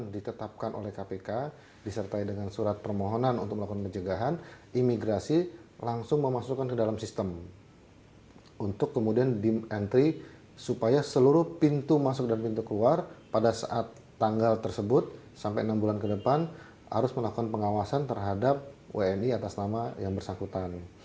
ditiapkan oleh kpk disertai dengan surat permohonan untuk melakukan pencegahan imigrasi langsung memasukkan ke dalam sistem untuk kemudian di entry supaya seluruh pintu masuk dan pintu keluar pada saat tanggal tersebut sampai enam bulan ke depan harus melakukan pengawasan terhadap wni atas nama yang bersangkutan